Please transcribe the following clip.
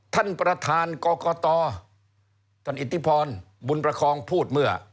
ท่านประธานกรกตท่านอิทธิพรบุญประคองพูดเมื่อ